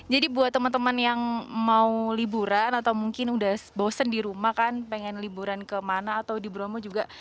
jadi buat teman teman yang mau liburan atau mungkin udah bosen di rumah kan pengen liburan kemana atau di bromo juga